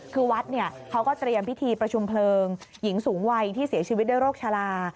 คือวัดเขาก็เตรียมพิธีประชุมเพลิงหญิงสูงวัยที่เสียชีวิตด้วยโรคชะลา